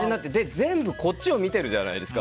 全部、こっちを見ているじゃないですか？